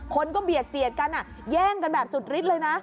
คนก็เบียดเสียดกันแย่งกันแบบสุดฤทธิ์เลยนะ